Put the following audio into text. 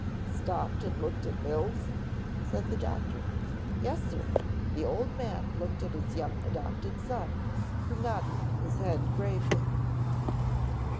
"Stopped and looked at Mills?" said the doctor. "Yes sir." The old man looked at his young adopted son, who nodded his head gravely.